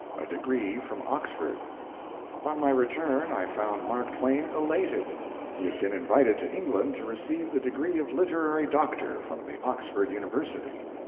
A DEGREE FROM OXFORD On my return I found Mark Twain elated: he had been invited to England to receive the degree of Literary Doctor from the Oxford University.